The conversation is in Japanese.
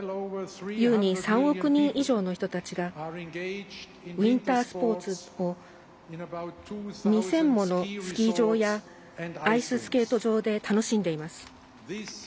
優に３億人以上の人たちがウインタースポーツを２０００ものスキー場やアイススケート場で楽しんでいます。